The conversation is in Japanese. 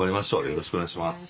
よろしくお願いします。